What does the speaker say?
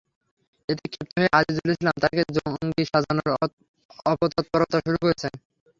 এতে ক্ষিপ্ত হয়ে আজিজুল ইসলাম তাঁকে জঙ্গি সাজানোর অপতৎপরতা শুরু করেছেন।